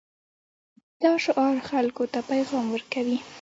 دا شعار خلکو ته پیغام ورکوي.